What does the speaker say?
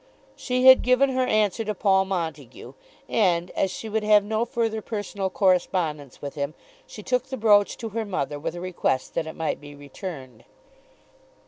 She had given her answer to Paul Montague; and, as she would have no further personal correspondence with him, she took the brooch to her mother with a request that it might be returned.